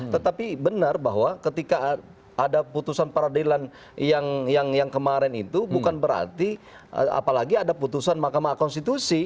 tetapi benar bahwa ketika ada putusan peradilan yang kemarin itu bukan berarti apalagi ada putusan mahkamah konstitusi